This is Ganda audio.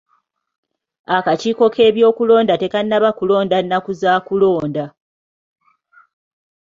Akakiiko k'ebyokulonda tekannaba kulonda nnaku za kulonda.